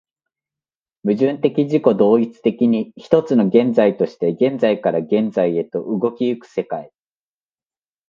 矛盾的自己同一的に、一つの現在として現在から現在へと動き行く世界